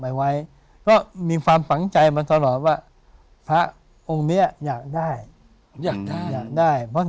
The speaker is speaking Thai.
เอาไปไว้ก็มีความฝังใจมาตลอดว่ามะอุ่งมี๊ยะอยากได้สักอย่างก็เพื่อนคือวันนี้ก็สงคราม